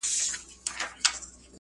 هايبريډ مانا توليد کړي